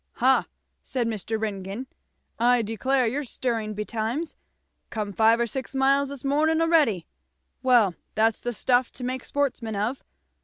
"Ha!" said Mr. Ringgan, "I declare! you're stirring betimes. Come five or six miles this morning a'ready. Well that's the stuff to make sportsmen of.